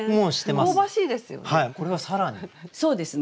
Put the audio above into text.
香ばしいですよね。